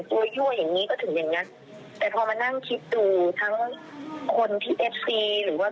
พวกแม่ขับมอเตอร์ไซส์ตามนั่งมอเตอร์ไซส์ยินเหมือนกัน